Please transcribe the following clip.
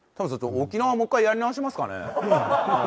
沖縄もう一回やり直しますかね？